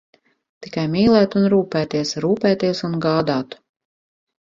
Tikai mīlēt un rūpēties, rūpēties un gādāt.